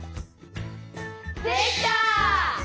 できた！